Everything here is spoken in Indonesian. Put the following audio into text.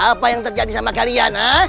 apa yang terjadi sama kalian